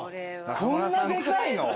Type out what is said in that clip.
こんなでかいの？